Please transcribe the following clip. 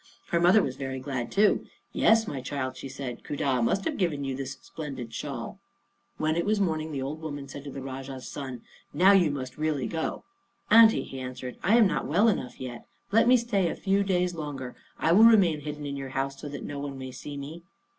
Her mother was very glad too. "Yes, my child," she said; "Khuda must have given you this splendid shawl." When it was morning the old woman said to the Rajah's son, "Now you must really go." "Aunty," he answered, "I am not well enough yet. Let me stay a few days longer. I will remain hidden in your house, so that no one may see me."